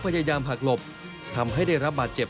พยายามหักหลบทำให้ได้รับบาดเจ็บ